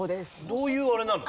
どういうあれなの？